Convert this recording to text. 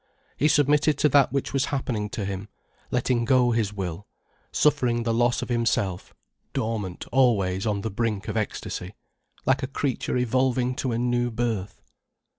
He submitted to that which was happening to him, letting go his will, suffering the loss of himself, dormant always on the brink of ecstasy, like a creature evolving to a new birth.